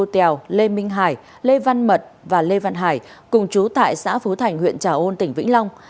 tèo lê minh hải lê văn mật và lê văn hải cùng chú tại xã phú thành huyện trà ôn tỉnh vĩnh long